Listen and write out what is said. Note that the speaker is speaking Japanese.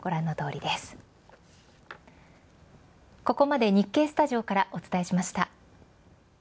ここまで日経スタジオからお伝えしました。